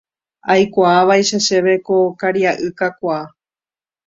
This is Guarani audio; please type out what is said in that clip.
Aikuaávaicha chéve ko karia'y kakuaa